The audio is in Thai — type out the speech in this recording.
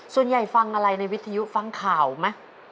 ส่วนใหญ่ฟังอะไรในวิทยุฟังข่าวไหม